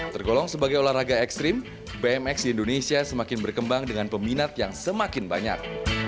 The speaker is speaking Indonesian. tergolong sebagai olahraga ekstrim bmx di indonesia semakin berkembang dengan peminat yang semakin banyak